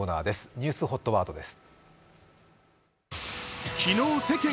ニュースＨＯＴワードです。